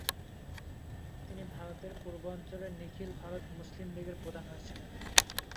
তিনি ভারতের পূর্বাঞ্চলে নিখিল ভারত মুসলিম লীগের প্রধান হয়েছিলেন।